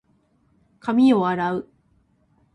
髪を洗う。